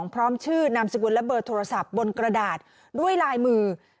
พร้อมชื่อนามสกุลและเบอร์โทรศัพท์บนกระดาษด้วยลายมือ